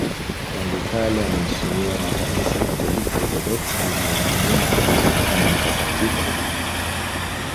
Tangu kale anaheshimiwa na Kanisa Katoliki, Waorthodoksi na wengineo kama mtakatifu.